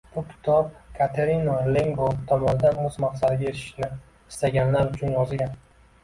Bu kitob Katerinoy Lengold tomonidan o‘z maqsadiga erishishni istaganlar uchun yozilgan.